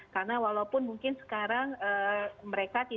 karena walaupun mungkin sekarang mereka berpikir bahwa ini adalah tenaga kesehatan